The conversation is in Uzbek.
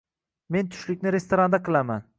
Men tushlikni restoranda qilaman.